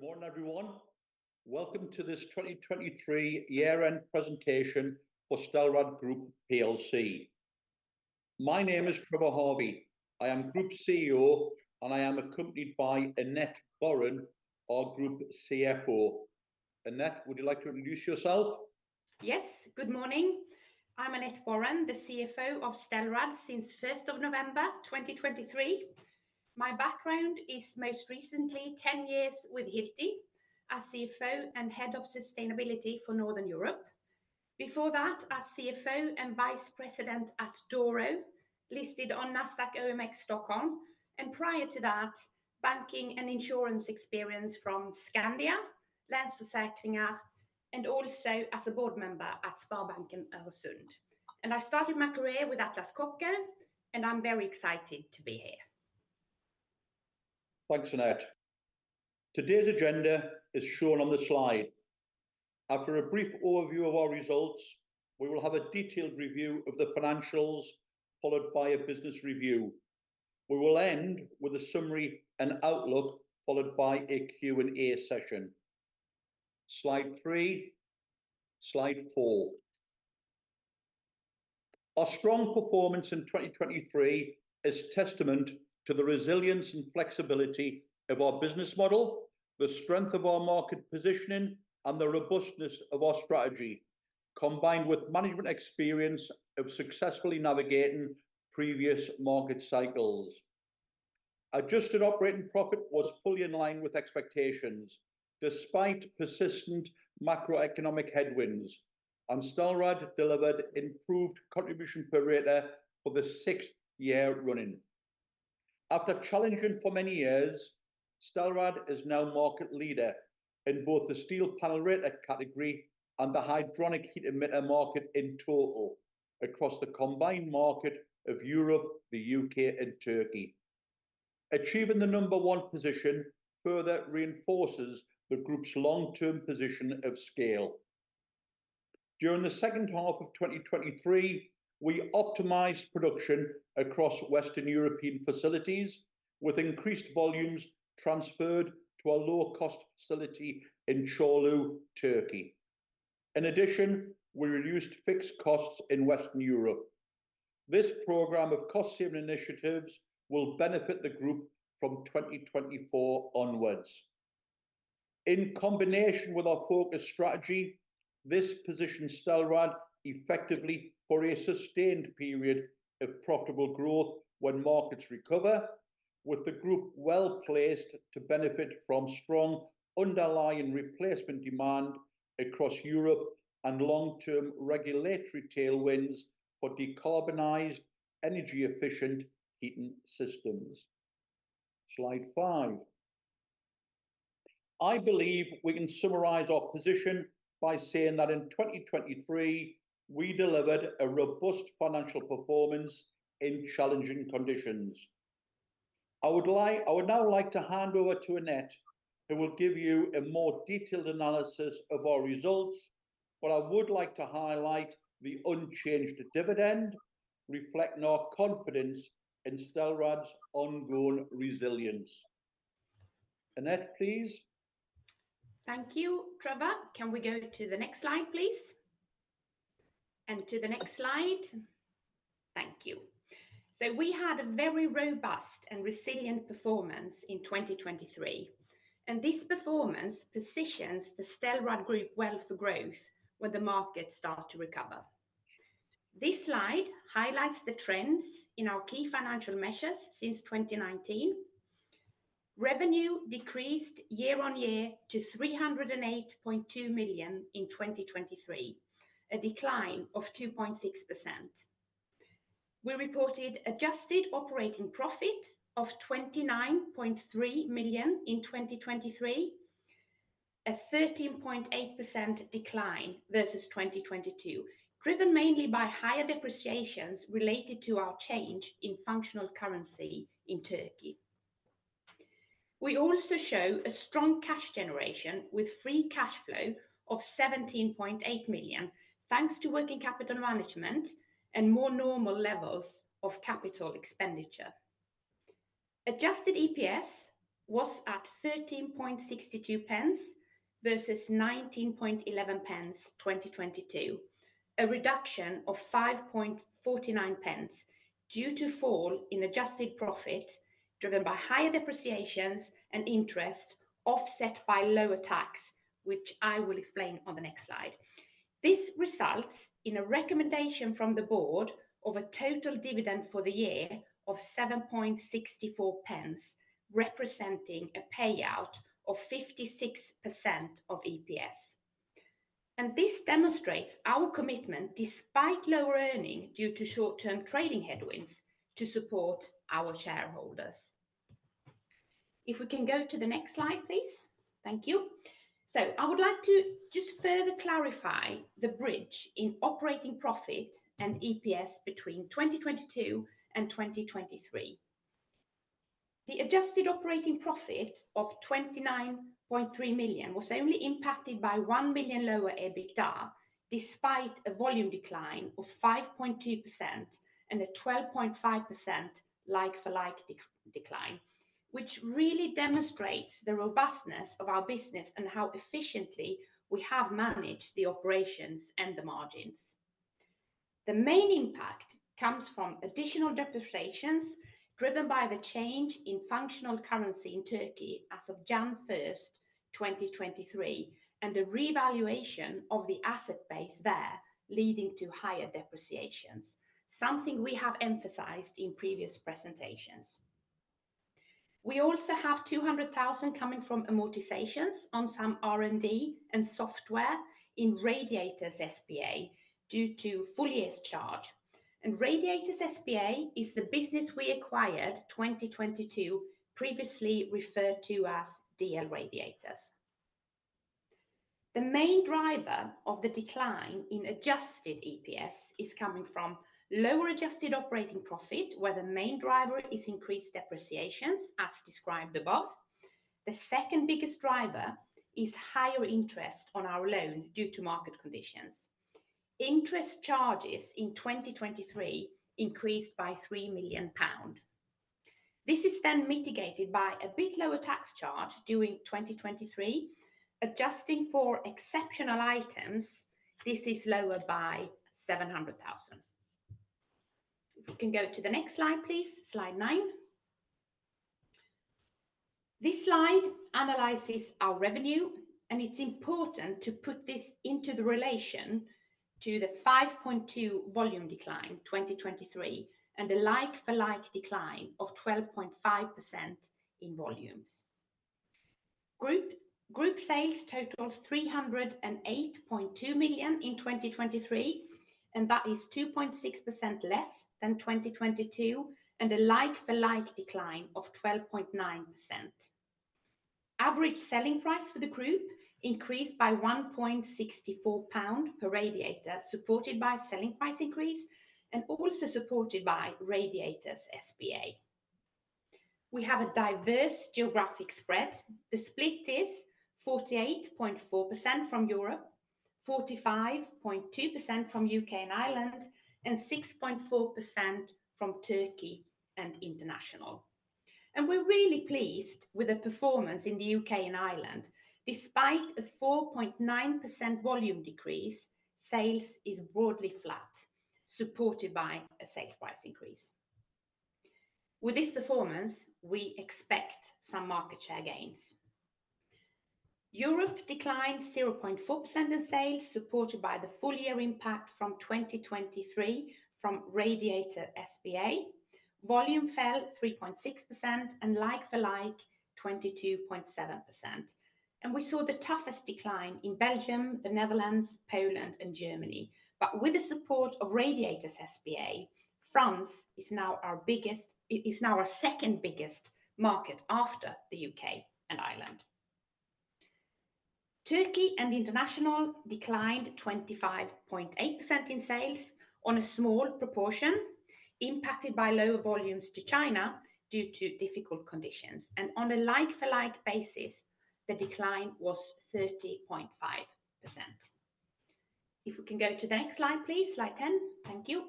Good morning, everyone. Welcome to this 2023 year-end presentation for Stelrad Group plc. My name is Trevor Harvey. I am Group CEO, and I am accompanied by Annette Borén, our Group CFO. Annette, would you like to introduce yourself? Yes. Good morning. I'm Annette Borén, the CFO of Stelrad since 1 November 2023. My background is most recently 10 years with Hilti as CFO and Head of Sustainability for Northern Europe. Before that, as CFO and Vice President at Doro, listed on Nasdaq OMX Stockholm, and prior to that, banking and insurance experience from Skandia, Länsförsäkringar, and also as a board member at Sparbanken Öresund. I started my career with Atlas Copco, and I'm very excited to be here. Thanks, Annette. Today's agenda is shown on the slide. After a brief overview of our results, we will have a detailed review of the financials, followed by a business review. We will end with a summary and outlook, followed by a Q&A session. Slide three. Slide four. Our strong performance in 2023 is testament to the resilience and flexibility of our business model, the strength of our market positioning, and the robustness of our strategy, combined with management experience of successfully navigating previous market cycles. Adjusted operating profit was fully in line with expectations despite persistent macroeconomic headwinds, and Stelrad delivered improved contribution per radiator for the sixth year running. After challenging for many years, Stelrad is now market leader in both the steel panel radiator category and the hydronic heat emitter market in total across the combined market of Europe, the U.K., and Turkey. Achieving the number one position further reinforces the group's long-term position of scale. During the second half of 2023, we optimized production across Western European facilities, with increased volumes transferred to a low-cost facility in Çorlu, Turkey. In addition, we reduced fixed costs in Western Europe. This program of cost-saving initiatives will benefit the group from 2024 onwards. In combination with our focus strategy, this positions Stelrad effectively for a sustained period of profitable growth when markets recover, with the group well-placed to benefit from strong underlying replacement demand across Europe and long-term regulatory tailwinds for decarbonized, energy-efficient heating systems. Slide 5. I believe we can summarize our position by saying that in 2023, we delivered a robust financial performance in challenging conditions. I would now like to hand over to Annette, who will give you a more detailed analysis of our results, but I would like to highlight the unchanged dividend reflecting our confidence in Stelrad's ongoing resilience. Annette, please. Thank you. Trevor, can we go to the next slide, please? And to the next slide. Thank you. So we had a very robust and resilient performance in 2023, and this performance positions the Stelrad Group well for growth when the markets start to recover. This slide highlights the trends in our key financial measures since 2019. Revenue decreased year-on-year to 308.2 million in 2023, a decline of 2.6%. We reported adjusted operating profit of 29.3 million in 2023, a 13.8% decline versus 2022, driven mainly by higher depreciations related to our change in functional currency in Turkey. We also show a strong cash generation with free cash flow of 17.8 million, thanks to working capital management and more normal levels of capital expenditure. Adjusted EPS was at 0.1362 versus 0.1911 2022, a reduction of 0.0549 due to a fall in adjusted profit driven by higher depreciations and interest offset by lower tax, which I will explain on the next slide. This results in a recommendation from the board of a total dividend for the year of 0.0764, representing a payout of 56% of EPS. This demonstrates our commitment, despite lower earnings due to short-term trading headwinds, to support our shareholders. If we can go to the next slide, please. Thank you. I would like to just further clarify the bridge in operating profit and EPS between 2022 and 2023. The adjusted operating profit of 29.3 million was only impacted by 1 million lower EBITDA, despite a volume decline of 5.2% and a 12.5% like-for-like decline, which really demonstrates the robustness of our business and how efficiently we have managed the operations and the margins. The main impact comes from additional depreciations driven by the change in functional currency in Turkey as of January 1, 2023, and the revaluation of the asset base there, leading to higher depreciations, something we have emphasized in previous presentations. We also have 200,000 coming from amortizations on some R&D and software in Radiators S.p.A. due to full year's charge. Radiators S.p.A. is the business we acquired 2022, previously referred to as DL Radiators. The main driver of the decline in adjusted EPS is coming from lower adjusted operating profit, where the main driver is increased depreciations, as described above. The second biggest driver is higher interest on our loan due to market conditions. Interest charges in 2023 increased by 3 million pounds. This is then mitigated by a bit lower tax charge during 2023. Adjusting for exceptional items, this is lower by 700,000. If we can go to the next slide, please. Slide 9. This slide analyses our revenue, and it's important to put this into the relation to the 5.2% volume decline 2023 and the like-for-like decline of 12.5% in volumes. Group sales totaled 308.2 million in 2023, and that is 2.6% less than 2022, and a like-for-like decline of 12.9%. Average selling price for the group increased by 1.64 pound per radiator, supported by a selling price increase and also supported by Radiators S.p.A. We have a diverse geographic spread. The split is 48.4% from Europe, 45.2% from the U.K. and Ireland, and 6.4% from Turkey and international. We're really pleased with the performance in the U.K. and Ireland. Despite a 4.9% volume decrease, sales are broadly flat, supported by a sales price increase. With this performance, we expect some market share gains. Europe declined 0.4% in sales, supported by the full year impact from 2023 from Radiators S.p.A. Volume fell 3.6% and Like-for-like 22.7%. We saw the toughest decline in Belgium, the Netherlands, Poland, and Germany, but with the support of Radiators S.p.A., France is now our biggest is now our second biggest market after the U.K. and Ireland. Turkey and international declined 25.8% in sales on a small proportion, impacted by lower volumes to China due to difficult conditions. On a Like-for-like basis, the decline was 30.5%. If we can go to the next slide, please. Slide 10. Thank you.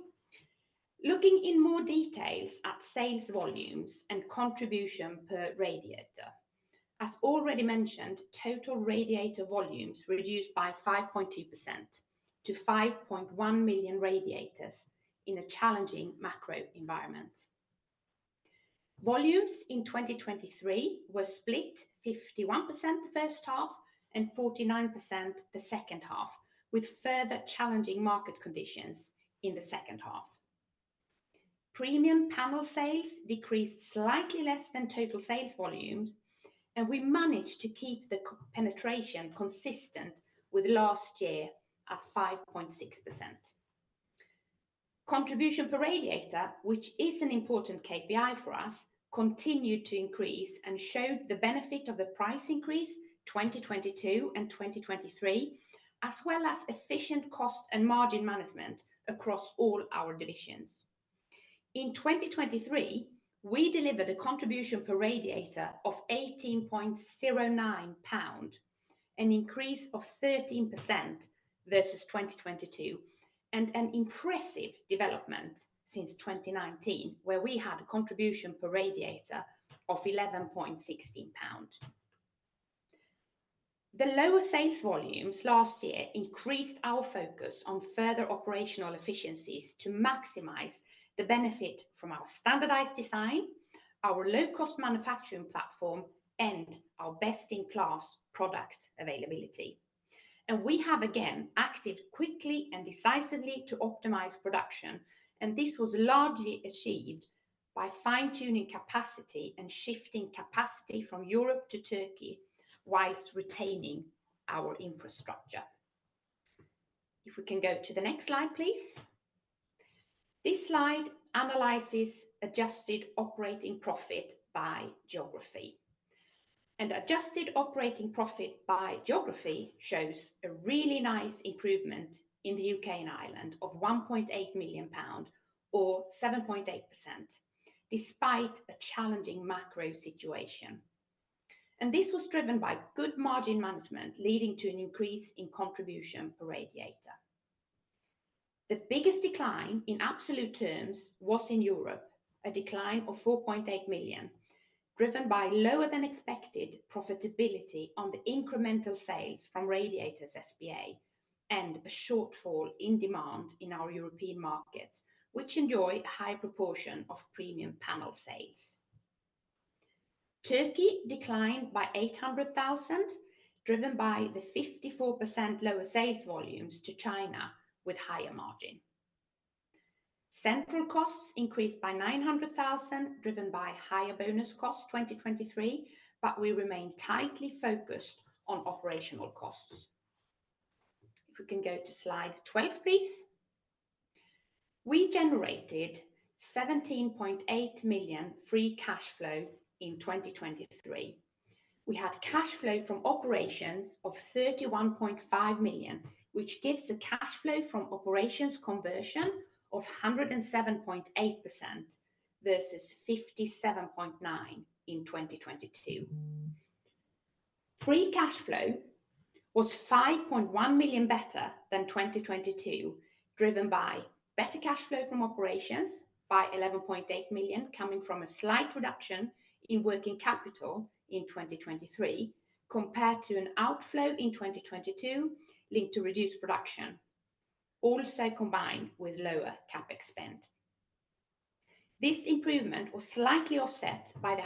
Looking in more details at sales volumes and contribution per radiator. As already mentioned, total radiator volumes reduced by 5.2% to 5.1 million radiators in a challenging macro environment. Volumes in 2023 were split 51% the first half and 49% the second half, with further challenging market conditions in the second half. Premium panel sales decreased slightly less than total sales volumes, and we managed to keep the penetration consistent with last year at 5.6%. Contribution per radiator, which is an important KPI for us, continued to increase and showed the benefit of the price increase 2022 and 2023, as well as efficient cost and margin management across all our divisions. In 2023, we delivered a contribution per radiator of 18.09 pound, an increase of 13% versus 2022, and an impressive development since 2019, where we had a contribution per radiator of 11.16 pound. The lower sales volumes last year increased our focus on further operational efficiencies to maximize the benefit from our standardized design, our low-cost manufacturing platform, and our best-in-class product availability. We have, again, acted quickly and decisively to optimize production, and this was largely achieved by fine-tuning capacity and shifting capacity from Europe to Turkey whilst retaining our infrastructure. If we can go to the next slide, please. This slide analyses adjusted operating profit by geography. Adjusted operating profit by geography shows a really nice improvement in the U.K. and Ireland of 1.8 million pound or 7.8%, despite a challenging macro situation. This was driven by good margin management, leading to an increase in contribution per radiator. The biggest decline in absolute terms was in Europe, a decline of 4.8 million, driven by lower-than-expected profitability on the incremental sales from Radiators S.p.A. and a shortfall in demand in our European markets, which enjoy a high proportion of premium panel sales. Turkey declined by 800,000, driven by the 54% lower sales volumes to China with higher margin. Central costs increased by 900,000, driven by higher bonus costs 2023, but we remain tightly focused on operational costs. If we can go to slide 12, please. We generated 17.8 million free cash flow in 2023. We had cash flow from operations of 31.5 million, which gives a cash flow from operations conversion of 107.8% versus 57.9% in 2022. Free cash flow was 5.1 million better than 2022, driven by better cash flow from operations by 11.8 million, coming from a slight reduction in working capital in 2023 compared to an outflow in 2022 linked to reduced production, also combined with lower CapEx spend. This improvement was slightly offset by the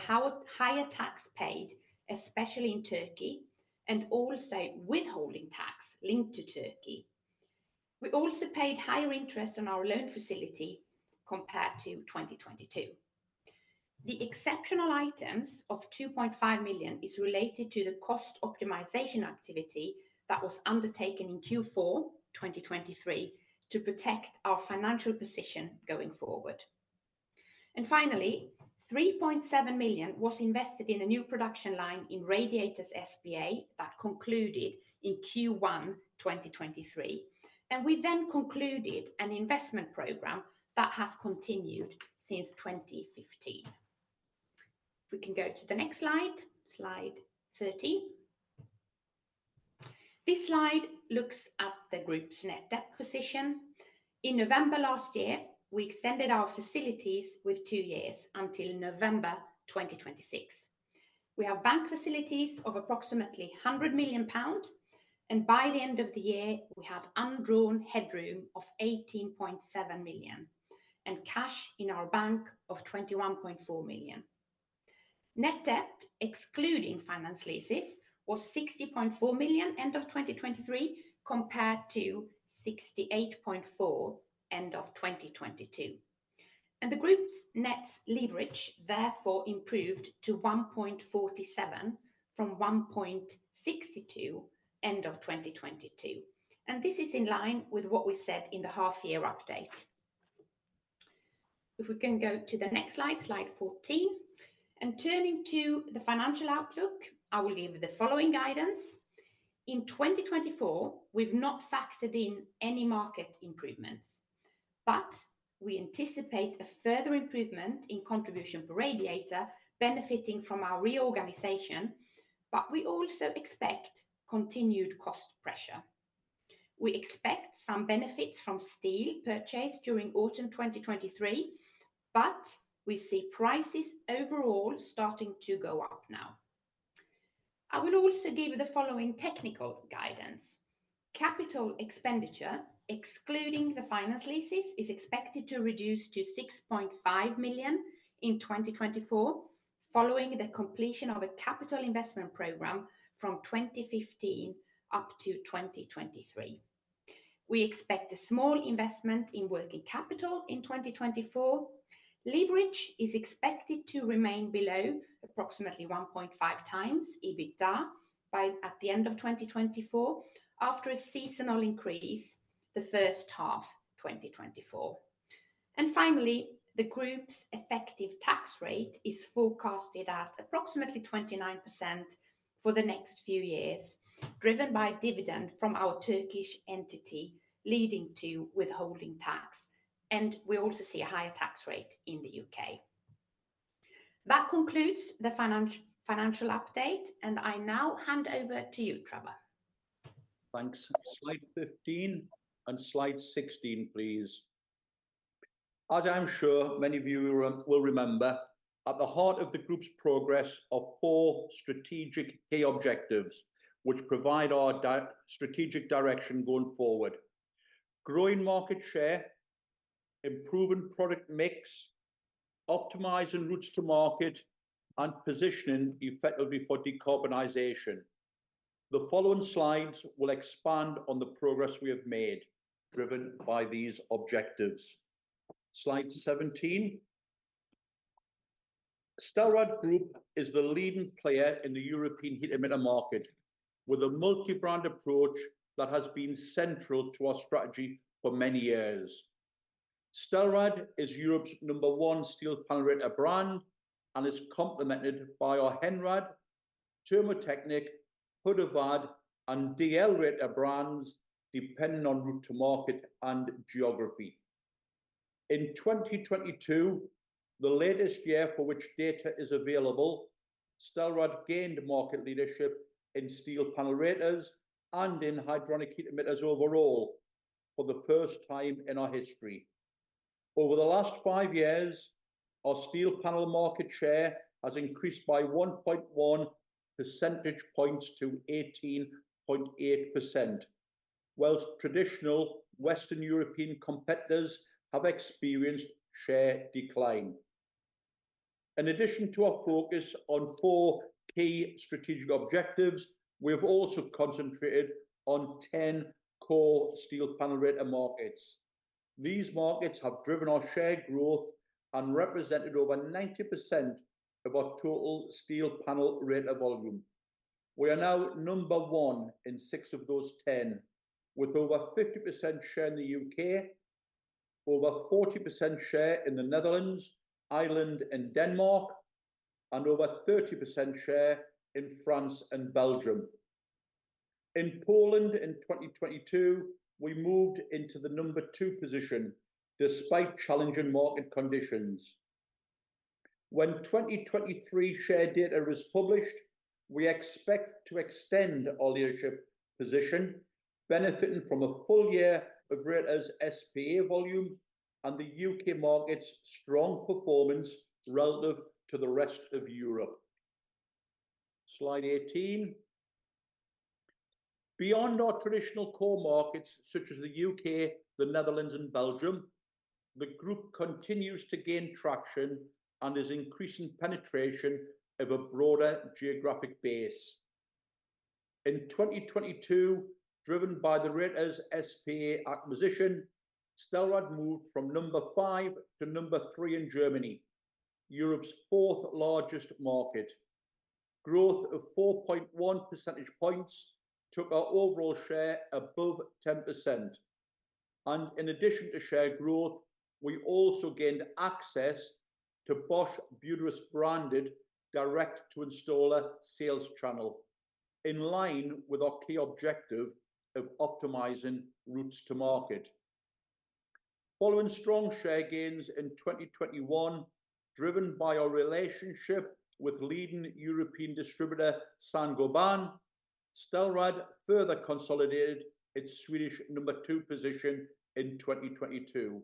higher tax paid, especially in Turkey, and also withholding tax linked to Turkey. We also paid higher interest on our loan facility compared to 2022. The exceptional items of 2.5 million are related to the cost optimization activity that was undertaken in Q4 2023 to protect our financial position going forward. Finally, 3.7 million was invested in a new production line in Radiators S.p.A. that concluded in Q1 2023, and we then concluded an investment program that has continued since 2015. If we can go to the next slide, slide 13. This slide looks at the group's net debt position. In November last year, we extended our facilities with two years until November 2026. We have bank facilities of approximately 100 million pound, and by the end of the year, we had undrawn headroom of 18.7 million and cash in our bank of 21.4 million. Net debt, excluding finance leases, was 60.4 million end of 2023 compared to 68.4 million end of 2022. The group's net leverage therefore improved to 1.47 from 1.62 end of 2022. This is in line with what we said in the half-year update. If we can go to the next slide, slide 14. Turning to the financial outlook, I will give the following guidance. In 2024, we've not factored in any market improvements, but we anticipate a further improvement in contribution per radiator benefiting from our reorganization, but we also expect continued cost pressure. We expect some benefits from steel purchased during autumn 2023, but we see prices overall starting to go up now. I will also give the following technical guidance. Capital expenditure, excluding the finance leases, is expected to reduce to 6.5 million in 2024, following the completion of a capital investment program from 2015 up to 2023. We expect a small investment in working capital in 2024. Leverage is expected to remain below approximately 1.5x EBITDA at the end of 2024 after a seasonal increase the first half of 2024. And finally, the group's effective tax rate is forecasted at approximately 29% for the next few years, driven by dividend from our Turkish entity, leading to withholding tax, and we also see a higher tax rate in the U.K. That concludes the financial update, and I now hand over to you, Trevor. Thanks. Slide 15 and slide 16, please. As I'm sure many of you will remember, at the heart of the group's progress are four strategic key objectives, which provide our strategic direction going forward: growing market share, improving product mix, optimizing routes to market, and positioning effectively for decarbonization. The following slides will expand on the progress we have made driven by these objectives. Slide 17. Stelrad Group is the leading player in the European heat emitter market with a multi-brand approach that has been central to our strategy for many years. Stelrad is Europe's number one steel panel radiator brand and is complemented by our Henrad, Termo Teknik, Hudevad, and DL Radiators brands depending on route to market and geography. In 2022, the latest year for which data is available, Stelrad gained market leadership in steel panel radiators and in hydronic heat emitters overall for the first time in our history. Over the last five years, our steel panel market share has increased by 1.1 percentage points to 18.8%, while traditional Western European competitors have experienced share decline. In addition to our focus on four key strategic objectives, we have also concentrated on ten core steel panel radiator markets. These markets have driven our share growth and represented over 90% of our total steel panel radiator volume. We are now number one in six of those ten, with over 50% share in the U.K., over 40% share in the Netherlands, Ireland, and Denmark, and over 30% share in France and Belgium. In Poland in 2022, we moved into the number two position despite challenging market conditions. When 2023 share data is published, we expect to extend our leadership position, benefiting from a full year of Radiators S.p.A. volume and the U.K. market's strong performance relative to the rest of Europe. Slide 18. Beyond our traditional core markets such as the U.K., the Netherlands, and Belgium, the group continues to gain traction and is increasing penetration of a broader geographic base. In 2022, driven by the Radiators S.p.A. acquisition, Stelrad moved from number 5 to number 3 in Germany, Europe's fourth largest market. Growth of 4.1 percentage points took our overall share above 10%. In addition to share growth, we also gained access to Bosch Buderus branded direct-to-installer sales channel, in line with our key objective of optimizing routes to market. Following strong share gains in 2021, driven by our relationship with leading European distributor Saint-Gobain, Stelrad further consolidated its Swedish number two position in 2022,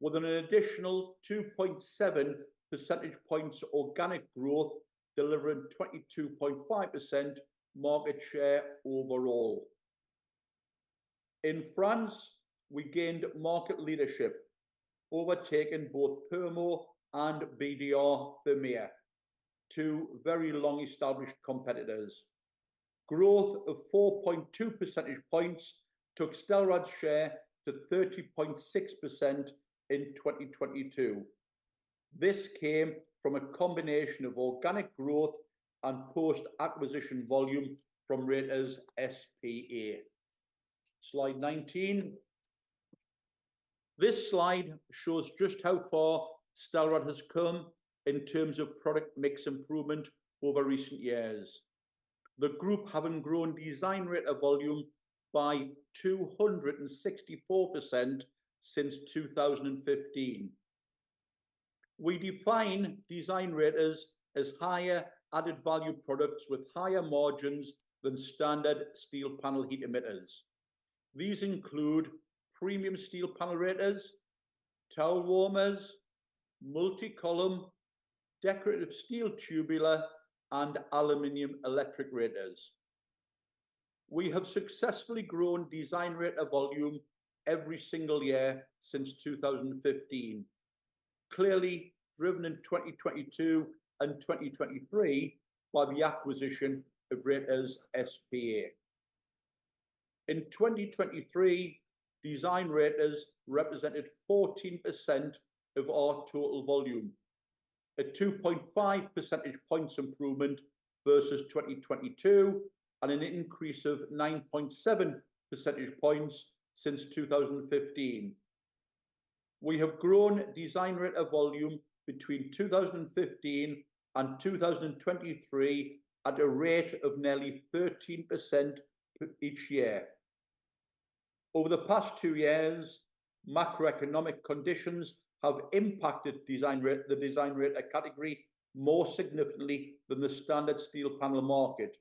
with an additional 2.7 percentage points organic growth delivering 22.5% market share overall. In France, we gained market leadership, overtaking both Purmo and BDR Thermea, two very long-established competitors. Growth of 4.2 percentage points took Stelrad's share to 30.6% in 2022. This came from a combination of organic growth and post-acquisition volume from Radiators S.p.A. Slide 19. This slide shows just how far Stelrad has come in terms of product mix improvement over recent years. The group having grown design radiators volume by 264% since 2015. We define design radiators as higher added value products with higher margins than standard steel panel heat emitters. These include premium steel panel radiators, towel warmers, multi-column, decorative steel tubular, and aluminum electric radiators. We have successfully grown design radiators volume every single year since 2015, clearly driven in 2022 and 2023 by the acquisition of Radiators S.p.A. In 2023, design radiators represented 14% of our total volume, a 2.5 percentage points improvement versus 2022 and an increase of 9.7 percentage points since 2015. We have grown design radiator volume between 2015 and 2023 at a rate of nearly 13% each year. Over the past two years, macroeconomic conditions have impacted the design radiator category more significantly than the standard steel panel market.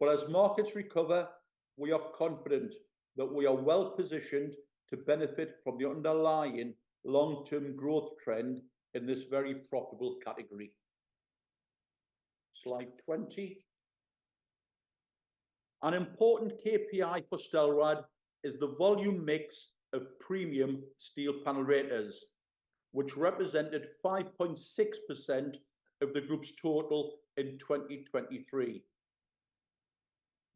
But as markets recover, we are confident that we are well-positioned to benefit from the underlying long-term growth trend in this very profitable category. Slide 20. An important KPI for Stelrad is the volume mix of premium steel panel radiators, which represented 5.6% of the group's total in 2023.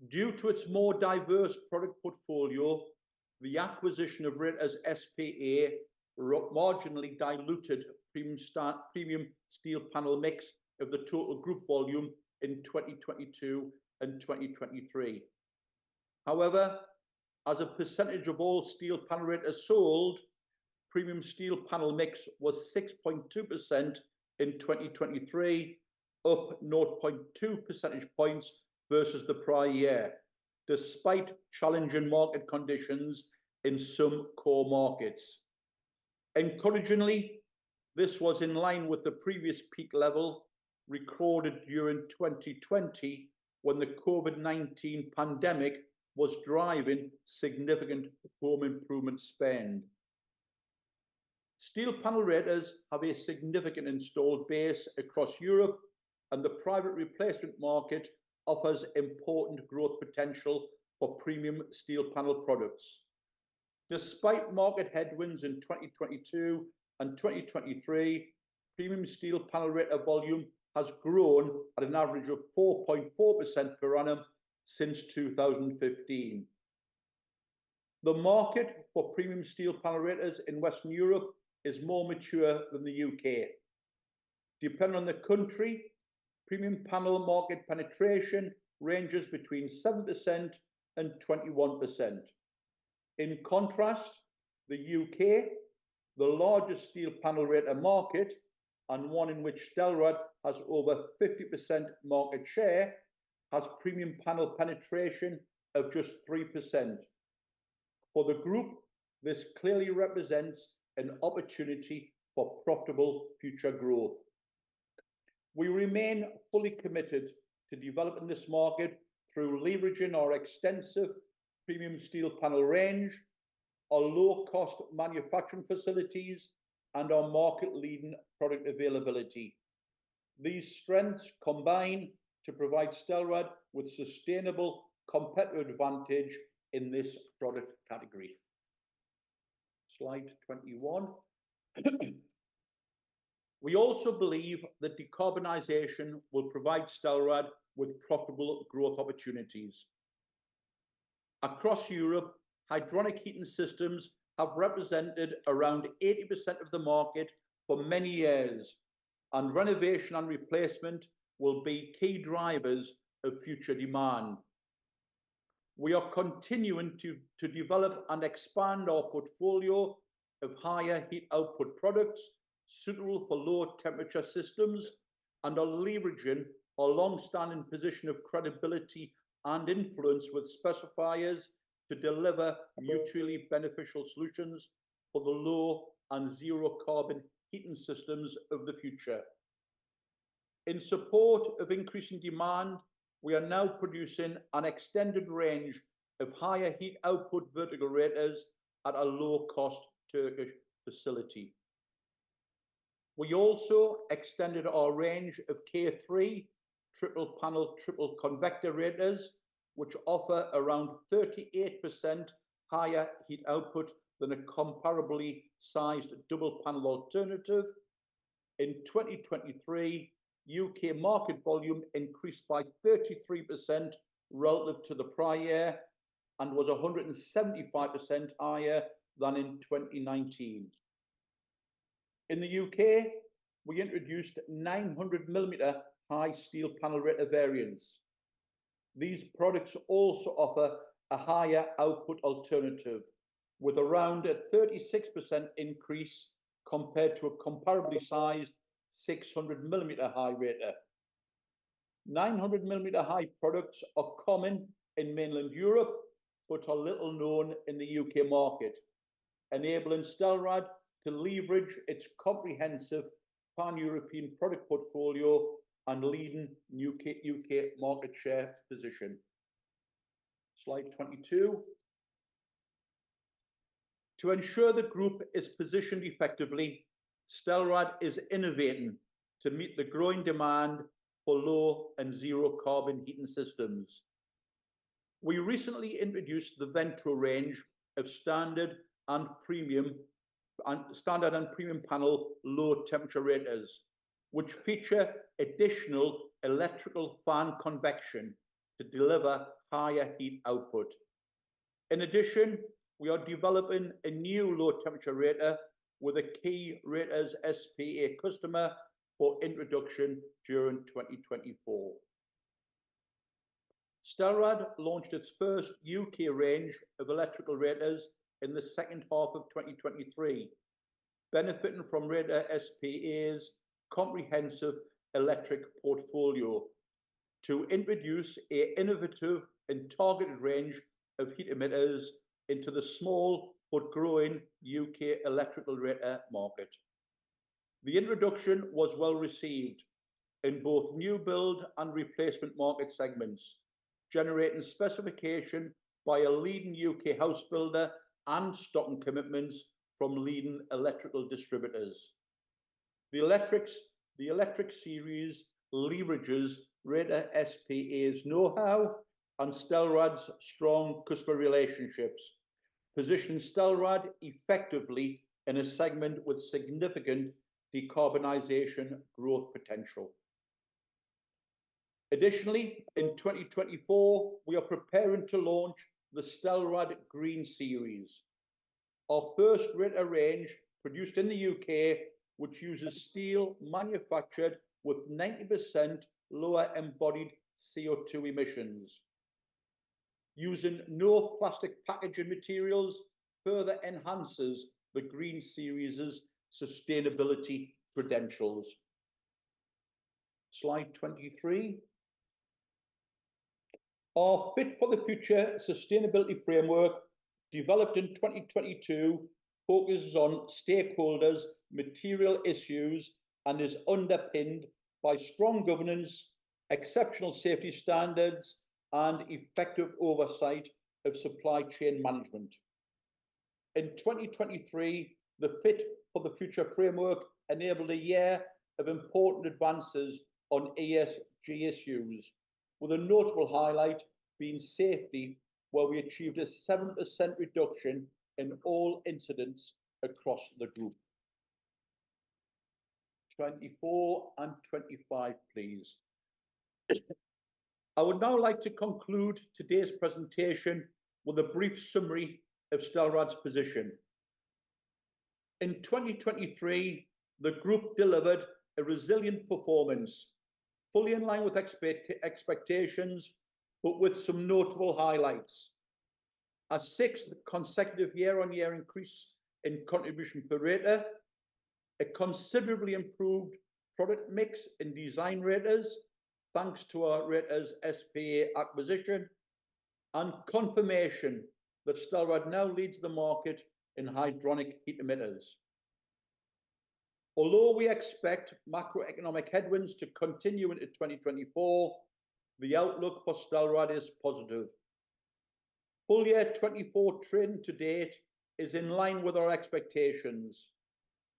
Due to its more diverse product portfolio, the acquisition of Radiators S.p.A. marginally diluted premium steel panel mix of the total group volume in 2022 and 2023. However, as a percentage of all steel panel radiators sold, premium steel panel mix was 6.2% in 2023, up 0.2 percentage points versus the prior year, despite challenging market conditions in some core markets. Encouragingly, this was in line with the previous peak level recorded during 2020 when the COVID-19 pandemic was driving significant home improvement spend. Steel panel radiators have a significant installed base across Europe, and the private replacement market offers important growth potential for premium steel panel products. Despite market headwinds in 2022 and 2023, premium steel panel radiator volume has grown at an average of 4.4% per annum since 2015. The market for premium steel panel radiators in Western Europe is more mature than the U.K.. Depending on the country, premium panel market penetration ranges between 7% and 21%. In contrast, the U.K., the largest steel panel radiator market and one in which Stelrad has over 50% market share, has premium panel penetration of just 3%. For the group, this clearly represents an opportunity for profitable future growth. We remain fully committed to developing this market through leveraging our extensive premium steel panel range, our low-cost manufacturing facilities, and our market-leading product availability. These strengths combine to provide Stelrad with sustainable competitive advantage in this product category. Slide 21. We also believe that decarbonization will provide Stelrad with profitable growth opportunities. Across Europe, hydronic heating systems have represented around 80% of the market for many years, and renovation and replacement will be key drivers of future demand. We are continuing to develop and expand our portfolio of higher heat output products suitable for low-temperature systems and are leveraging our longstanding position of credibility and influence with specifiers to deliver mutually beneficial solutions for the low and zero-carbon heating systems of the future. In support of increasing demand, we are now producing an extended range of higher heat output vertical radiators at a low-cost Turkish facility. We also extended our range of K3 triple panel triple convector radiators, which offer around 38% higher heat output than a comparably sized double panel alternative. In 2023, U.K. market volume increased by 33% relative to the prior year and was 175% higher than in 2019. In the U.K., we introduced 900-millimeter high steel panel radiator variants. These products also offer a higher output alternative, with around a 36% increase compared to a comparably sized 600-millimeter high radiator. 900-millimeter high products are common in mainland Europe, but are little known in the U.K. market, enabling Stelrad to leverage its comprehensive pan-European product portfolio and leading U.K. market share position. Slide 22. To ensure the group is positioned effectively, Stelrad is innovating to meet the growing demand for low and zero-carbon heating systems. We recently introduced the Vento range of standard and premium panel low-temperature radiators, which feature additional electrical fan convection to deliver higher heat output. In addition, we are developing a new low-temperature radiator with a key Radiators S.p.A. customer for introduction during 2024. Stelrad launched its first U.K. range of electrical radiators in the second half of 2023, benefiting from Radiators S.p.A.'s comprehensive electric portfolio to introduce an innovative and targeted range of heat emitters into the small but growing U.K. electrical radiator market. The introduction was well received in both new build and replacement market segments, generating specification by a leading U.K. house builder and stocking commitments from leading electrical distributors. The Electric Series leverages Radiators S.p.A.'s know-how and Stelrad's strong customer relationships, positioning Stelrad effectively in a segment with significant decarbonization growth potential. Additionally, in 2024, we are preparing to launch the Stelrad Green Series, our first radiator range produced in the U.K., which uses steel manufactured with 90% lower embodied CO2 emissions. Using no plastic packaging materials further enhances the Green Series' sustainability credentials. Slide 23. Our Fit for the Future sustainability framework, developed in 2022, focuses on stakeholders, material issues, and is underpinned by strong governance, exceptional safety standards, and effective oversight of supply chain management. In 2023, the Fit for the Future framework enabled a year of important advances on ESG issues, with a notable highlight being safety, where we achieved a 7% reduction in all incidents across the group. 24 and 25, please. I would now like to conclude today's presentation with a brief summary of Stelrad's position. In 2023, the group delivered a resilient performance, fully in line with expectations, but with some notable highlights: a sixth consecutive year-on-year increase in contribution per radiator, a considerably improved product mix in design radiators thanks to our Radiators S.p.A. acquisition, and confirmation that Stelrad now leads the market in hydronic heat emitters. Although we expect macroeconomic headwinds to continue into 2024, the outlook for Stelrad is positive. Full year 2024 trend to date is in line with our expectations,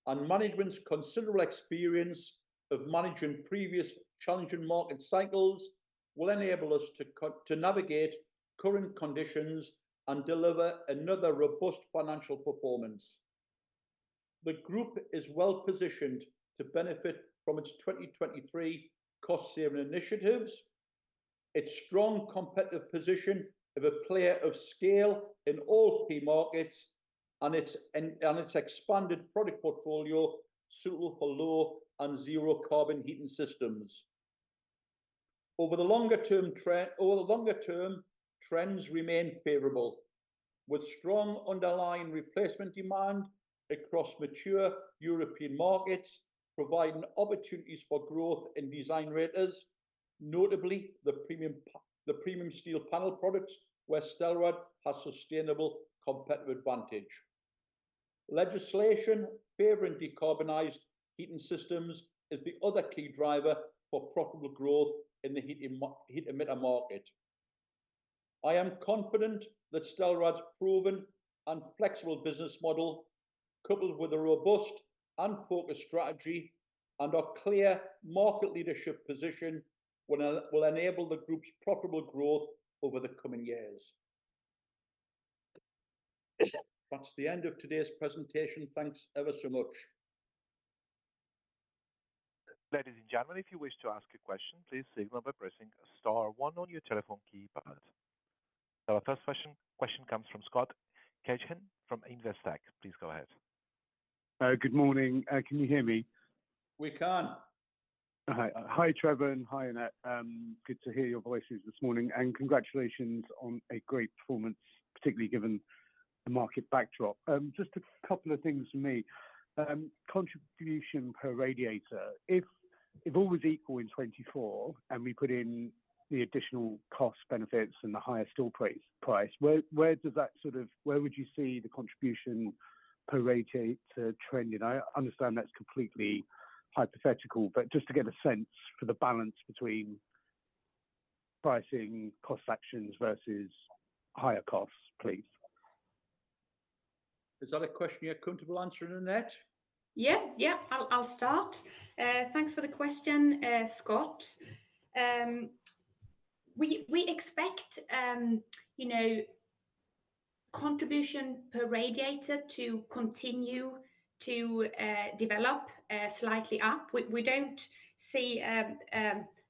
and management's considerable experience of managing previous challenging market cycles will enable us to navigate current conditions and deliver another robust financial performance. The group is well-positioned to benefit from its 2023 cost-saving initiatives, its strong competitive position of a player of scale in all key markets, and its expanded product portfolio suitable for low and zero-carbon heating systems. Over the longer-term trends remain favorable, with strong underlying replacement demand across mature European markets providing opportunities for growth in design radiators, notably the premium steel panel products where Stelrad has sustainable competitive advantage. Legislation favoring decarbonized heating systems is the other key driver for profitable growth in the heat emitter market. I am confident that Stelrad's proven and flexible business model, coupled with a robust and focused strategy and our clear market leadership position, will enable the group's profitable growth over the coming years. That's the end of today's presentation. Thanks ever so much. Ladies and gentlemen, if you wish to ask a question, please signal by pressing a star one on your telephone keypad. Now, our first question comes from Scott Cagehin from Investec. Please go ahead. Good morning. Can you hear me? We can. Hi, Trevor and hi, Annette. Good to hear your voices this morning, and congratulations on a great performance, particularly given the market backdrop. Just a couple of things for me. Contribution per radiator, if all was equal in 2024 and we put in the additional cost benefits and the higher steel price, where would you see the contribution per radiator trending? I understand that's completely hypothetical, but just to get a sense for the balance between pricing, cost actions versus higher costs, please. Is that a question you're comfortable answering, Annette? Yeah, yeah. I'll start. Thanks for the question, Scott. We expect contribution per radiator to continue to develop slightly up. We don't see a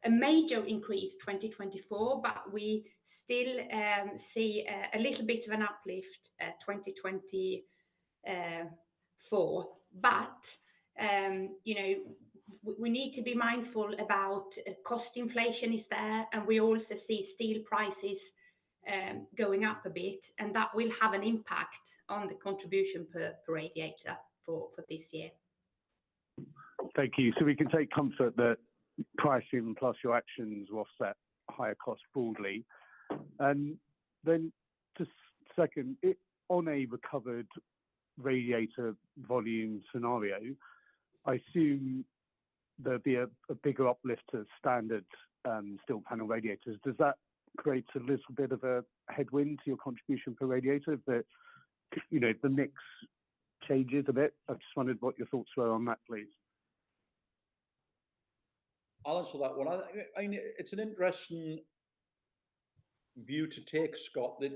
major increase in 2024, but we still see a little bit of an uplift in 2024. But we need to be mindful about cost inflation is there, and we also see steel prices going up a bit, and that will have an impact on the contribution per radiator for this year. Thank you. So we can take comfort that pricing plus your actions will offset higher costs broadly. And then, too. Second, on a recovered radiator volume scenario, I assume there'll be a bigger uplift of standard steel panel radiators. Does that create a little bit of a headwind to your contribution per radiator, that the mix changes a bit? I just wondered what your thoughts were on that, please. I'll answer that one. I mean, it's an interesting view to take, Scott, that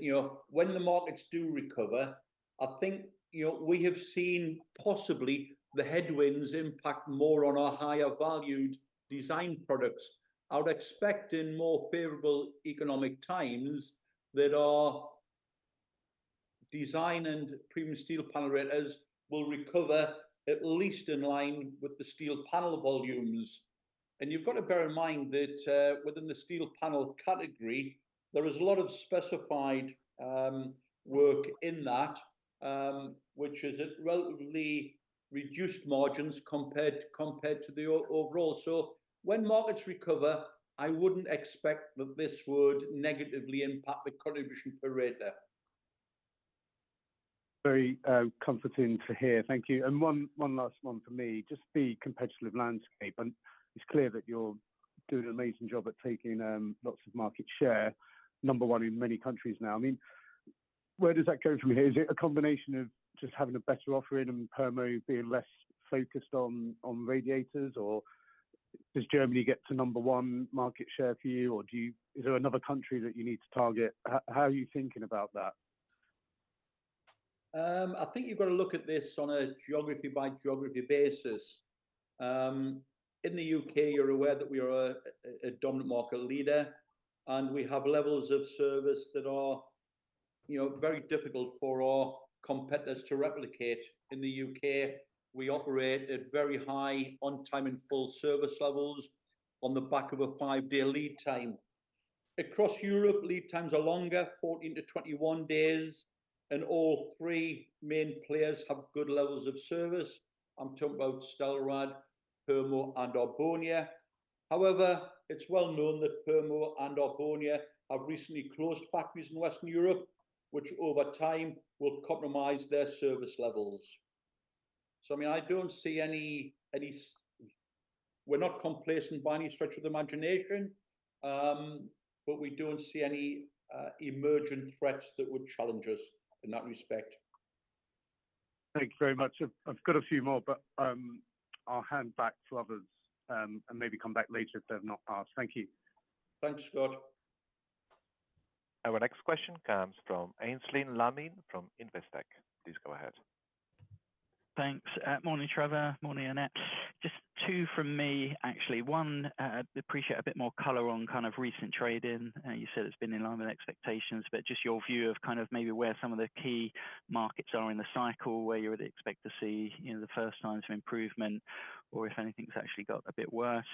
when the markets do recover, I think we have seen possibly the headwinds impact more on our higher-valued design products. I would expect in more favorable economic times that our design and premium steel panel radiators will recover at least in line with the steel panel volumes. You've got to bear in mind that within the steel panel category, there is a lot of specified work in that, which is at relatively reduced margins compared to the overall. When markets recover, I wouldn't expect that this would negatively impact the contribution per radiator. Very comforting to hear. Thank you. One last one for me. Just the competitive landscape. It's clear that you're doing an amazing job at taking lots of market share, number one in many countries now. I mean, where does that go from here? Is it a combination of just having a better offering and Purmo being less focused on radiators, or does Germany get to number one market share for you, or is there another country that you need to target? How are you thinking about that? I think you've got to look at this on a geography-by-geography basis. In the U.K., you're aware that we are a dominant market leader, and we have levels of service that are very difficult for our competitors to replicate. In the U.K., we operate at very high on-time and full service levels on the back of a 5-day lead time. Across Europe, lead times are longer, 14-21 days, and all three main players have good levels of service. I'm talking about Stelrad, Purmo, and Arbonia. However, it's well known that Purmo and Arbonia have recently closed factories in Western Europe, which over time will compromise their service levels. So, I mean, I don't see any we're not complacent by any stretch of the imagination, but we don't see any emergent threats that would challenge us in that respect. Thanks very much. I've got a few more, but I'll hand back to others and maybe come back later if they've not passed. Thank you. Thanks, Scott. Our next question comes from Aynsley Lammin from Investec. Please go ahead. Thanks. Morning, Trevor. Morning, Annette. Just two from me, actually. One, I appreciate a bit more color on kind of recent trading. You said it's been in line with expectations, but just your view of kind of maybe where some of the key markets are in the cycle, where you would expect to see the first signs of improvement, or if anything's actually got a bit worse.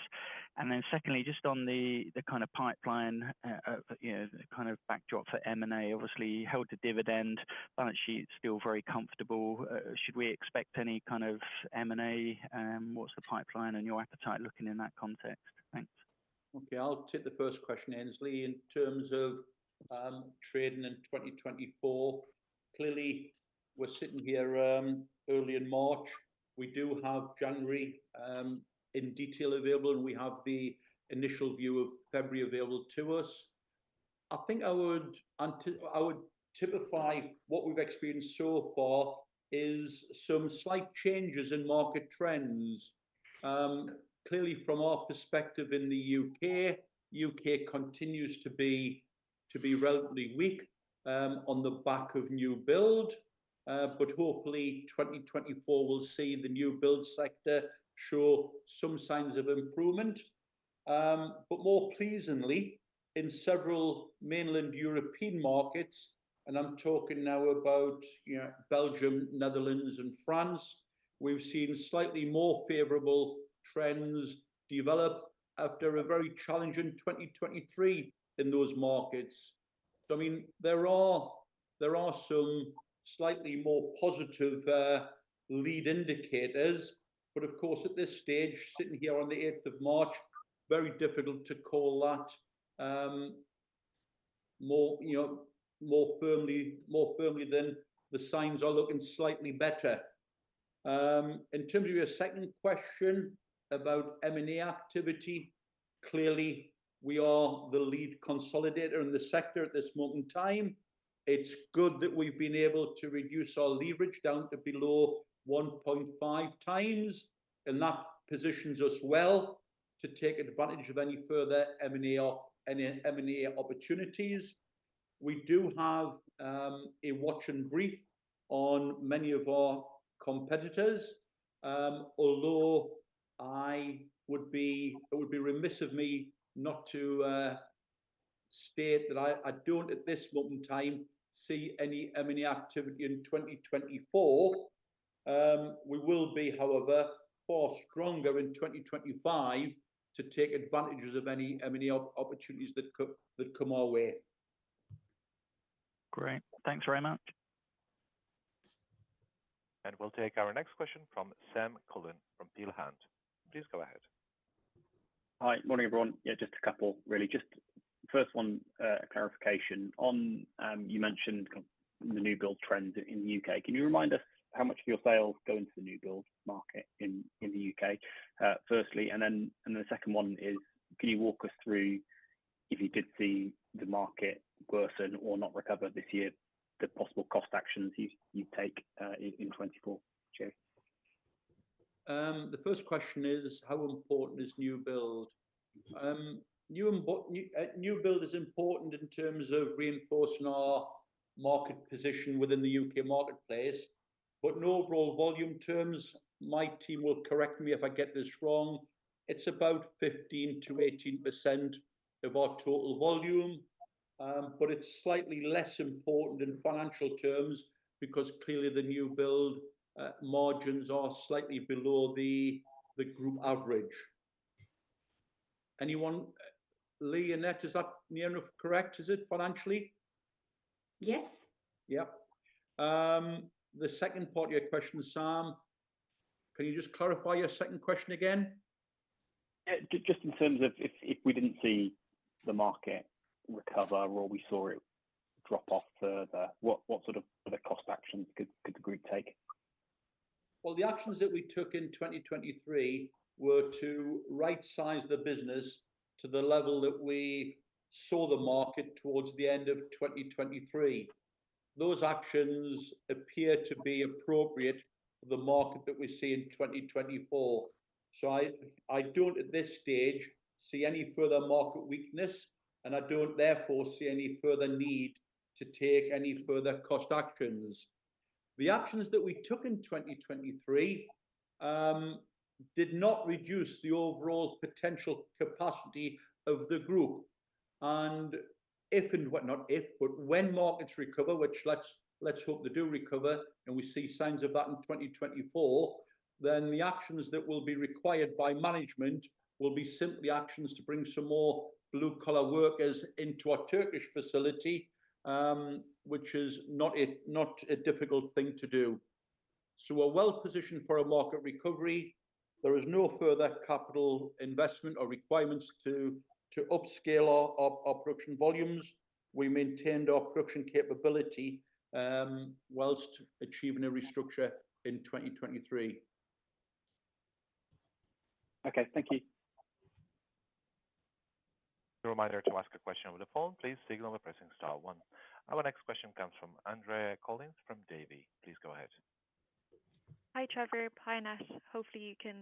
And then secondly, just on the kind of pipeline, the kind of backdrop for M&A, obviously held a dividend balance sheet, still very comfortable. Should we expect any kind of M&A? What's the pipeline and your appetite looking in that context? Thanks. Okay. I'll take the first question, Aynsley. In terms of trading in 2024, clearly, we're sitting here early in March. We do have January in detail available, and we have the initial view of February available to us. I think I would typify what we've experienced so far as some slight changes in market trends. Clearly, from our perspective in the U.K., the U.K. continues to be relatively weak on the back of new build, but hopefully, 2024 will see the new build sector show some signs of improvement. But more pleasantly, in several mainland European markets - and I'm talking now about Belgium, Netherlands, and France - we've seen slightly more favorable trends develop after a very challenging 2023 in those markets. So, I mean, there are some slightly more positive lead indicators, but, of course, at this stage, sitting here on the 8th of March, very difficult to call that more firmly than the signs are looking slightly better. In terms of your second question about M&A activity, clearly, we are the lead consolidator in the sector at this moment in time. It's good that we've been able to reduce our leverage down to below 1.5 times, and that positions us well to take advantage of any further M&A opportunities. We do have a watch brief on many of our competitors, although it would be remiss of me not to state that I don't, at this moment in time, see any M&A activity in 2024. We will be, however, far stronger in 2025 to take advantages of any M&A opportunities that come our way. Great. Thanks very much. And we'll take our next question from Sam Cullen from Peel Hunt. Please go ahead. Hi. Morning, everyone. Yeah, just a couple, really. Just first one, a clarification. You mentioned the new build trends in the U.K.. Can you remind us how much of your sales go into the new build market in the U.K., firstly? And then the second one is, can you walk us through, if you did see the market worsen or not recover this year, the possible cost actions you'd take in 2024? Cheers. The first question is, how important is new build? New build is important in terms of reinforcing our market position within the U.K. marketplace, but in overall volume terms, my team will correct me if I get this wrong, it's about 15%-18% of our total volume. But it's slightly less important in financial terms because, clearly, the new build margins are slightly below the group average. Anyone? Leigh, Annette, is that near enough correct, is it, financially? Yes. Yeah. The second part of your question, Sam, can you just clarify your second question again? Just in terms of if we didn't see the market recover or we saw it drop off further, what sort of other cost actions could the group take? Well, the actions that we took in 2023 were to right-size the business to the level that we saw the market towards the end of 2023. Those actions appear to be appropriate for the market that we see in 2024. So I don't, at this stage, see any further market weakness, and I don't, therefore, see any further need to take any further cost actions. The actions that we took in 2023 did not reduce the overall potential capacity of the group. And if—and what not if, but when markets recover, which let's hope they do recover, and we see signs of that in 2024, then the actions that will be required by management will be simply actions to bring some more blue-collar workers into our Turkish facility, which is not a difficult thing to do. So we're well-positioned for a market recovery. There is no further capital investment or requirements to upscale our production volumes. We maintained our production capability while achieving a restructure in 2023. Okay. Thank you. A reminder to ask a question over the phone. Please signal by pressing star one. Our next question comes from Andrea Collins from Davy. Please go ahead. Hi, Trevor. Hi, Annette. Hopefully, you can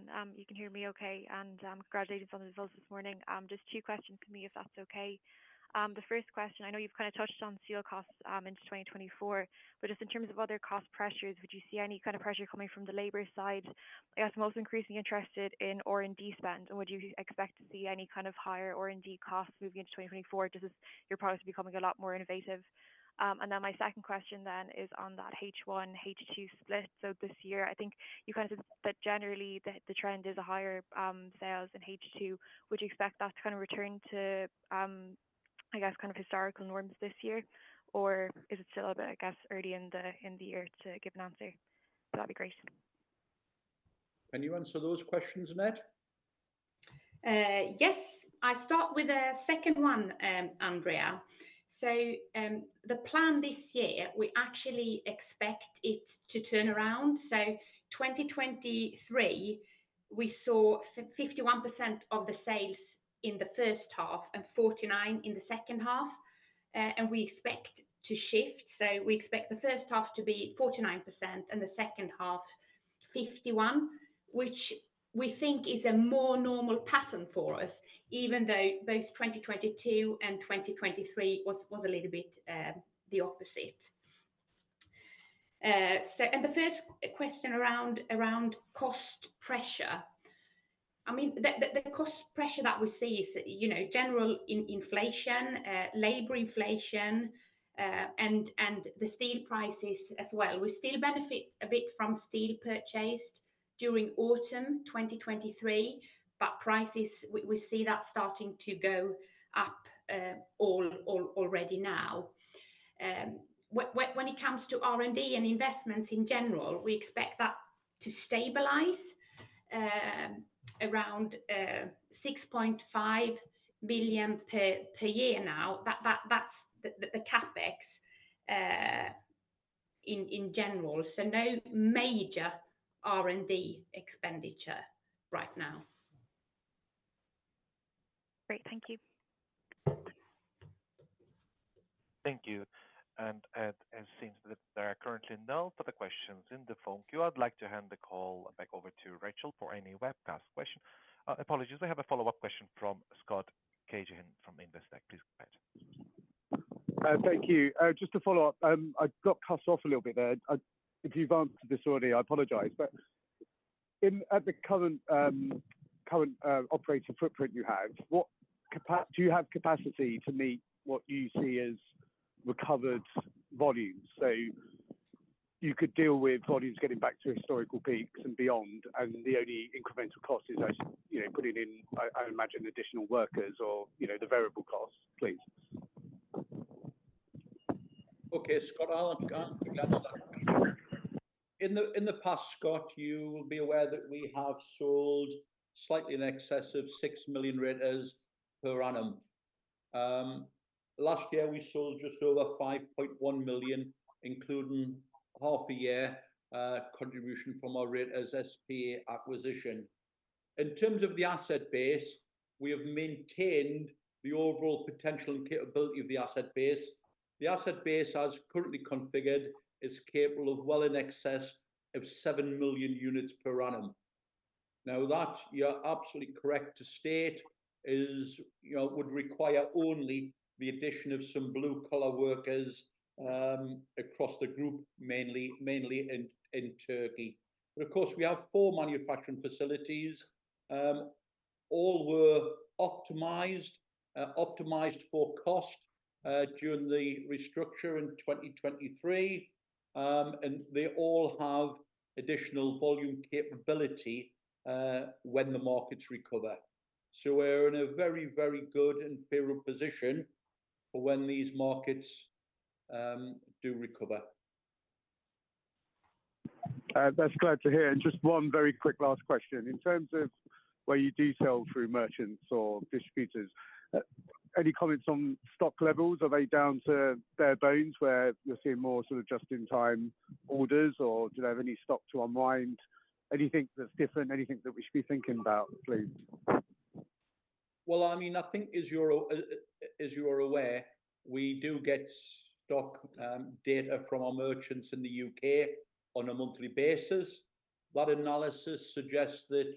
hear me okay. Congratulations on the results this morning. Just two questions for me, if that's okay. The first question, I know you've kind of touched on steel costs in 2024, but just in terms of other cost pressures, would you see any kind of pressure coming from the labour side? I guess I'm also increasingly interested in R&D spend, and would you expect to see any kind of higher R&D costs moving into 2024 just as your products are becoming a lot more innovative? And then my second question then is on that H1/H2 split. So this year, I think you kind of said that generally, the trend is higher sales in H2. Would you expect that to kind of return to, I guess, kind of historical norms this year, or is it still a bit, I guess, early in the year to give an answer? That'd be great. Can you answer those questions, Annette? Yes. I'll start with a second one, Andrea. So the plan this year, we actually expect it to turn around. So 2023, we saw 51% of the sales in the first half and 49% in the second half, and we expect to shift. So we expect the first half to be 49% and the second half 51%, which we think is a more normal pattern for us, even though both 2022 and 2023 was a little bit the opposite. And the first question around cost pressure. I mean, the cost pressure that we see is general inflation, labor inflation, and the steel prices as well. We still benefit a bit from steel purchased during autumn 2023, but we see that starting to go up already now. When it comes to R&D and investments in general, we expect that to stabilize around 6.5 million per year now. That's the CapEx in general. So no major R&D expenditure right now. Great. Thank you. Thank you. And it seems that there are currently no further questions in the phone queue. I'd like to hand the call back over to Rachel for any webcast question. Apologies, we have a follow-up question from Scott Cagehin from Investec. Please go ahead. Thank you. Just a follow-up. I got cut off a little bit there. If you've answered this already, I apologize. But at the current operating footprint you have, do you have capacity to meet what you see as recovered volumes? So you could deal with volumes getting back to historical peaks and beyond, and the only incremental cost is putting in, I imagine, additional workers or the variable costs, please. Okay, Scott. I'll glance at that question. In the past, Scott, you will be aware that we have sold slightly in excess of 6 million radiators per annum. Last year, we sold just over 5.1 million, including half a year contribution from our Radiators S.p.A. acquisition. In terms of the asset base, we have maintained the overall potential and capability of the asset base. The asset base, as currently configured, is capable of well in excess of 7 million units per annum. Now, that you're absolutely correct to state would require only the addition of some blue-collar workers across the group, mainly in Turkey. But, of course, we have four manufacturing facilities. All were optimized for cost during the restructure in 2023, and they all have additional volume capability when the markets recover. So we're in a very, very good and favorable position for when these markets do recover. That's glad to hear. Just one very quick last question. In terms of where you do sell through merchants or distributors, any comments on stock levels? Are they down to bare bones, where you're seeing more sort of just-in-time orders, or do they have any stock to unwind? Anything that's different, anything that we should be thinking about, please? Well, I mean, I think, as you are aware, we do get stock data from our merchants in the U.K. on a monthly basis. That analysis suggests that,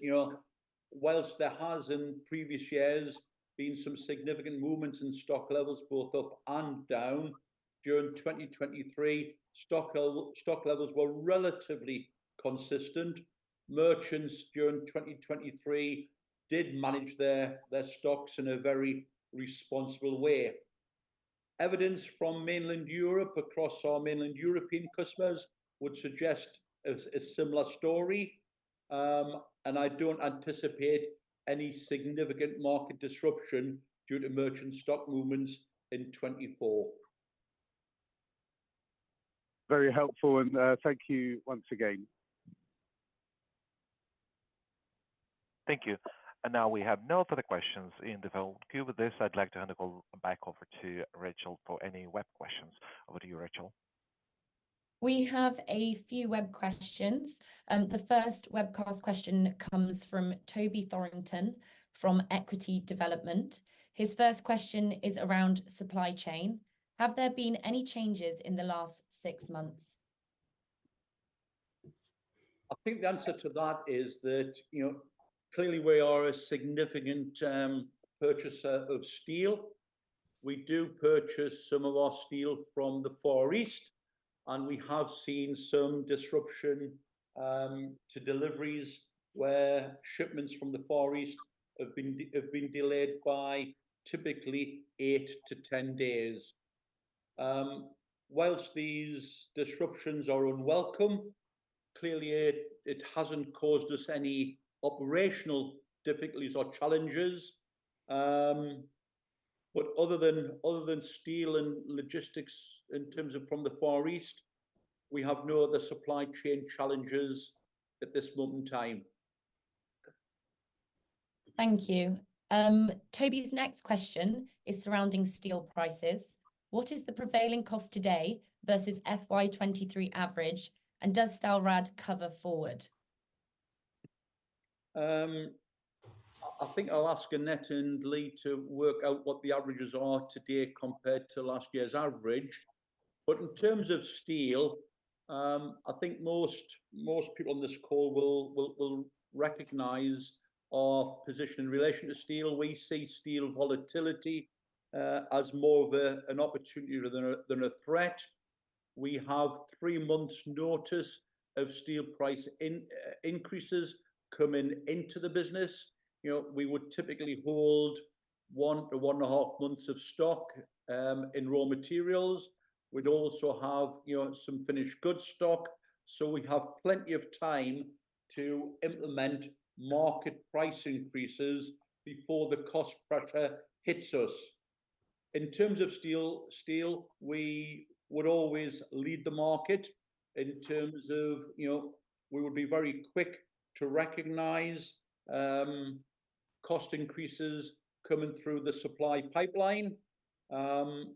while there has in previous years been some significant movements in stock levels both up and down, during 2023, stock levels were relatively consistent. Merchants during 2023 did manage their stocks in a very responsible way. Evidence from mainland Europe across our mainland European customers would suggest a similar story, and I don't anticipate any significant market disruption due to merchant stock movements in 2024. Very helpful, and thank you once again. Thank you. And now we have no further questions in the phone queue. With this, I'd like to hand the call back over to Rachel for any web questions. Over to you, Rachel. We have a few web questions. The first webcast question comes from Toby Thorrington from Equity Development. His first question is around supply chain. Have there been any changes in the last six months? I think the answer to that is that, clearly, we are a significant purchaser of steel. We do purchase some of our steel from the Far East, and we have seen some disruption to deliveries where shipments from the Far East have been delayed by typically 8-10 days. While these disruptions are unwelcome, clearly, it hasn't caused us any operational difficulties or challenges. But other than steel and logistics in terms of from the Far East, we have no other supply chain challenges at this moment in time. Thank you. Toby's next question is surrounding steel prices. What is the prevailing cost today versus FY23 average, and does Stelrad cover forward? I think I'll ask Annette and Leigh to work out what the averages are today compared to last year's average. But in terms of steel, I think most people on this call will recognize our position in relation to steel. We see steel volatility as more of an opportunity than a threat. We have 3 months' notice of steel price increases coming into the business. We would typically hold 1 to 1.5 months of stock in raw materials. We'd also have some finished goods stock. So we have plenty of time to implement market price increases before the cost pressure hits us. In terms of steel, we would always lead the market in terms of we would be very quick to recognize cost increases coming through the supply pipeline. And,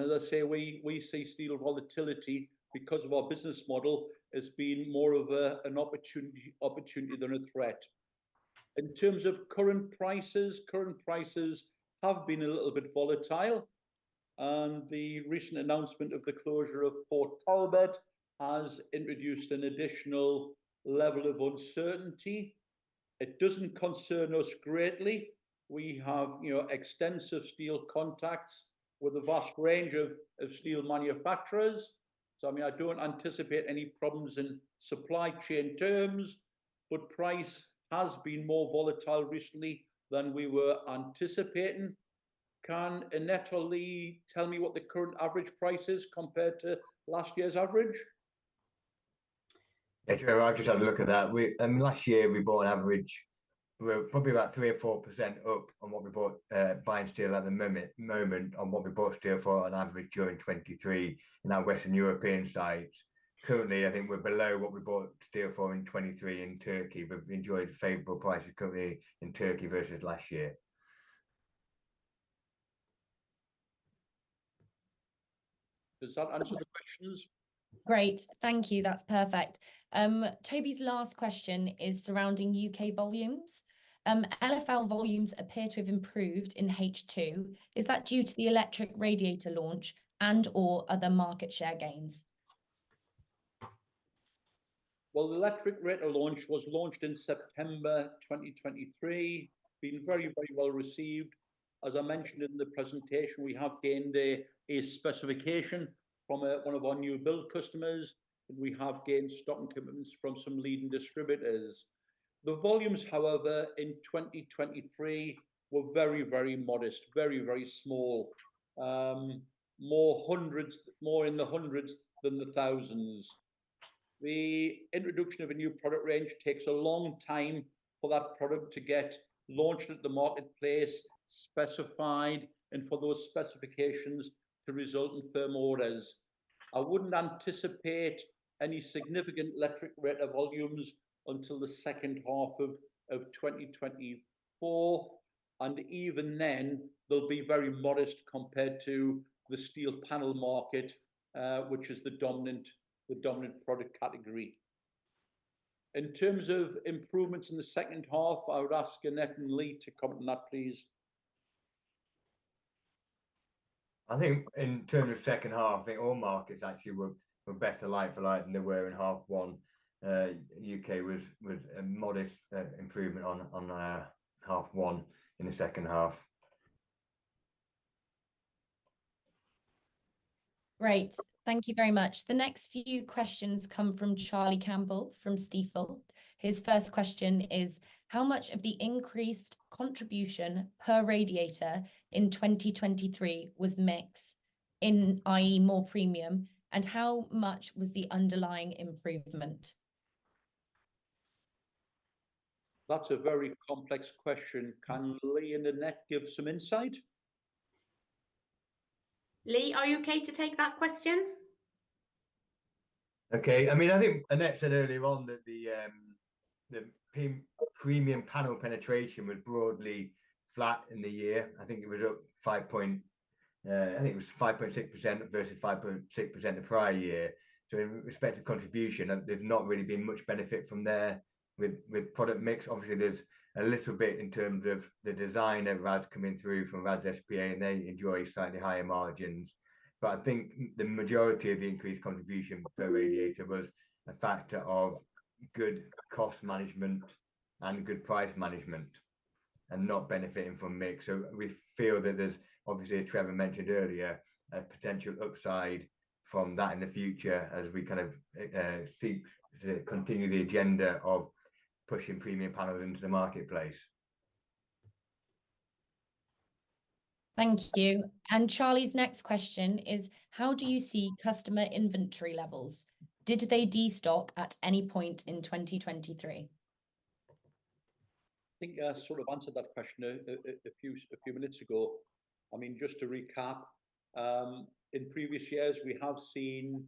as I say, we see steel volatility because of our business model as being more of an opportunity than a threat. In terms of current prices, current prices have been a little bit volatile, and the recent announcement of the closure of Port Talbot has introduced an additional level of uncertainty. It doesn't concern us greatly. We have extensive steel contacts with a vast range of steel manufacturers. So, I mean, I don't anticipate any problems in supply chain terms, but price has been more volatile recently than we were anticipating. Can Annette or Leigh tell me what the current average price is compared to last year's average? Thank you very much. I'll just have a look at that. I mean, last year, we bought an average we're probably about 3% or 4% up on what we bought buying steel at the moment on what we bought steel for on average during 2023 in our Western European sites. Currently, I think we're below what we bought steel for in 2023 in Turkey. We've enjoyed favorable prices currently in Turkey versus last year. Does that answer the questions? Great. Thank you. That's perfect. Toby's last question is surrounding U.K. volumes. LFL volumes appear to have improved in H2. Is that due to the electric radiator launch and/or other market share gains? Well, the electric radiator launch was launched in September 2023, been very, very well received. As I mentioned in the presentation, we have gained a specification from one of our new build customers, and we have gained stock and commitments from some leading distributors. The volumes, however, in 2023 were very, very modest, very, very small, more in the hundreds than the thousands. The introduction of a new product range takes a long time for that product to get launched at the marketplace, specified, and for those specifications to result in firm orders. I wouldn't anticipate any significant electric radiator volumes until the second half of 2024. Even then, they'll be very modest compared to the steel panel market, which is the dominant product category. In terms of improvements in the second half, I would ask Annette and Leigh to comment on that, please. I think in terms of second half, I think all markets actually were better like-for-like than they were in half one. U.K. was a modest improvement on half one in the second half. Great. Thank you very much. The next few questions come from Charlie Campbell from Stifel. His first question is, how much of the increased contribution per radiator in 2023 was mix, i.e., more premium, and how much was the underlying improvement? That's a very complex question. Can Leigh and Annette give some insight? Leigh, are you okay to take that question? Okay. I mean, I think Annette said earlier on that the premium panel penetration was broadly flat in the year. I think it was up 5.6% versus 5.6% the prior year. So in respect to contribution, there's not really been much benefit from there with product mix. Obviously, there's a little bit in terms of designer radiators coming through from Radiators S.p.A., and they enjoy slightly higher margins. I think the majority of the increased contribution per radiator was a factor of good cost management and good price management and not benefiting from mix. So we feel that there's, obviously, as Trevor mentioned earlier, a potential upside from that in the future as we kind of continue the agenda of pushing premium panels into the marketplace. Thank you. Charlie's next question is, how do you see customer inventory levels? Did they destock at any point in 2023? I think I sort of answered that question a few minutes ago. I mean, just to recap, in previous years, we have seen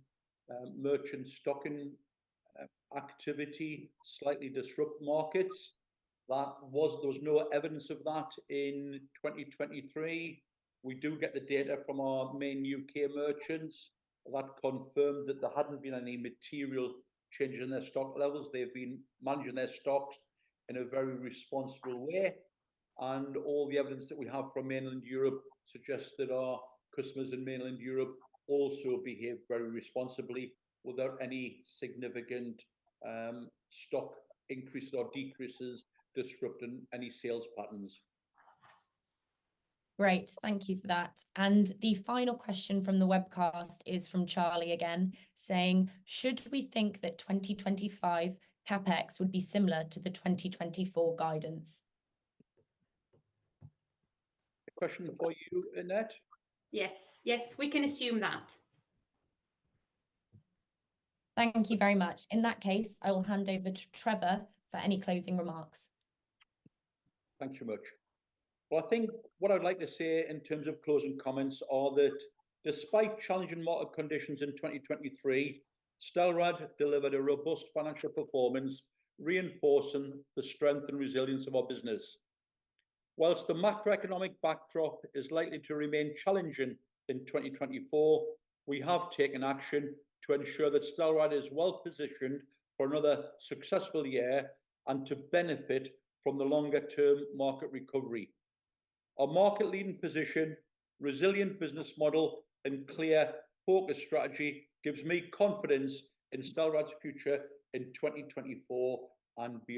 merchant stocking activity slightly disrupt markets. There was no evidence of that in 2023. We do get the data from our main U.K. merchants that confirmed that there hadn't been any material change in their stock levels. They've been managing their stocks in a very responsible way. All the evidence that we have from mainland Europe suggests that our customers in mainland Europe also behave very responsibly without any significant stock increases or decreases disrupting any sales patterns. Great. Thank you for that. The final question from the webcast is from Charlie again, saying, should we think that 2025 CapEx would be similar to the 2024 guidance? Question for you, Annette? Yes. Yes, we can assume that. Thank you very much. In that case, I will hand over to Trevor for any closing remarks. Thanks so much. Well, I think what I'd like to say in terms of closing comments are that, despite challenging market conditions in 2023, Stelrad delivered a robust financial performance, reinforcing the strength and resilience of our business. While the macroeconomic backdrop is likely to remain challenging in 2024, we have taken action to ensure that Stelrad is well-positioned for another successful year and to benefit from the longer-term market recovery. Our market-leading position, resilient business model, and clear focus strategy gives me confidence in Stelrad's future in 2024 and.